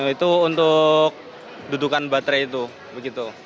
itu untuk dudukan baterai itu begitu